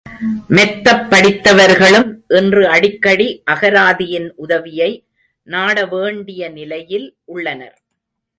மெத்தப் படித்தவர்களும் இன்று அடிக்கடி அகராதியின் உதவியை நாடவேண்டிய நிலையில் உள்ளனர்.